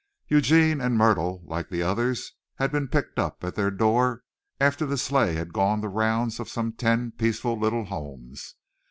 Eugene and Myrtle, like the others, had been picked up at their door after the sleigh had gone the rounds of some ten peaceful little homes.